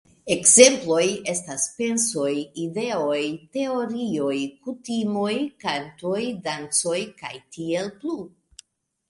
Ekzemploj estas pensoj, ideoj, teorioj, kutimoj, kantoj, dancoj kaj tiel plu.